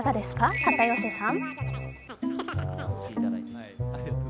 片寄さん。